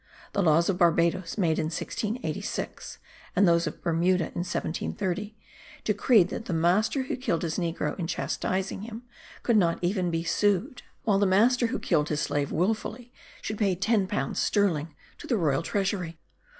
The laws of Barbadoes, made in 1686, and those of Bermuda, in 1730, decreed that the master who killed his negro in chastising him, could not even be sued, while the master who killed his slave wilfully should pay ten pounds sterling to the royal treasury.